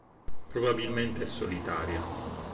Probabilmente è solitaria.